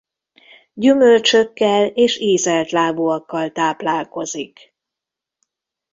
Gyümölcsökkel és ízeltlábúakkal táplálkozik.